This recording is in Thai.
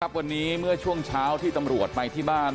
วันนี้เมื่อช่วงเช้าที่ตำรวจไปที่บ้าน